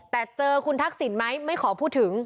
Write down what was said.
แต่เจอคุณทักษิณไหมไม่ขอพูดถึง